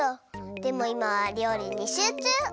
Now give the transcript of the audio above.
でもいまはりょうりにしゅうちゅう！